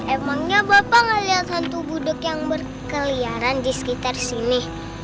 emangnya bapak ngeliat hantu budeg yang berkeliaran disekitar sini